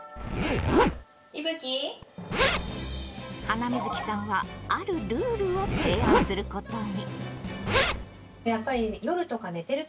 ハナミズキさんはあるルールを提案することに。